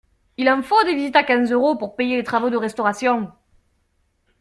Il en faut des visites à quinze euros pour payer les travaux de restauration.